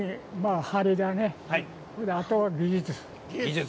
あとは技術。